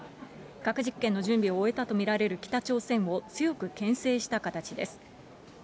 核実験の準備を終えたと見られる北朝鮮を強くけん制した形です。